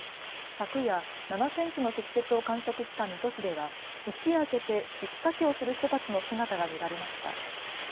昨夜、７センチの積雪を観測した水戸市では一夜明けて雪かきをする人たちの姿が見られました。